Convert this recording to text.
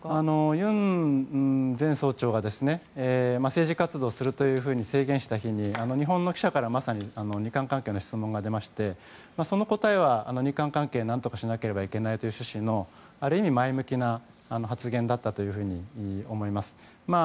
ユン前総長が政治活動をすると宣言した日に日本の記者からまさに日韓関係の質問が出てその答えは、日韓関係を何とかしないといけないという趣旨のある意味前向きな発言だったと思います。